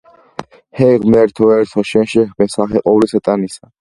ჰე, ღმერთო ერთო, შენ შეჰქმენ სახე ყოვლისა ტანისა,